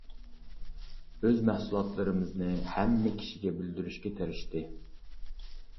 ئۆز مەھسۇلاتلىرىمىزنى ھەممە كىشىگە بىلدۈرۈشكە تىرىشتى.